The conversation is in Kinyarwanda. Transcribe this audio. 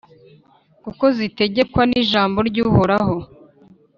kuko zitegekwa n’ijambo ry’Uhoraho,